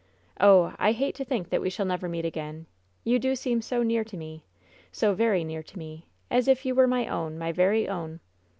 Oh! I hate to think that we shall never meet again. You do seem so near to me! So very near to me! As if you were my own, my very own!